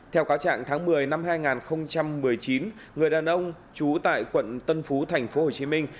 theo cáo trạng tháng một mươi năm hai nghìn một mươi chín người đàn ông trú tại quận tân phú thành phố hồ chí minh